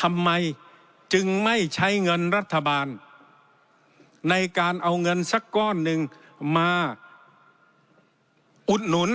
ทำไมจึงไม่ใช้เงินรัฐบาลในการเอาเงินสักก้อนหนึ่งมาอุดหนุน